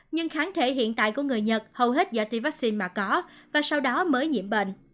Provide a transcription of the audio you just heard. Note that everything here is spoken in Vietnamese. nhưng kháng thể hiện tại của người nhật hầu hết do tiêm vaccine mà có và sau đó mới nhiễm bệnh